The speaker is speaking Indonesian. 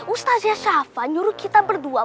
ustaz zafa nyuruh kita berdua